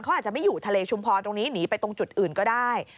เขาอาจจะไม่อยู่ทะเลชุมพรตรงนี้หนีไปตรงจุดอื่นก็ได้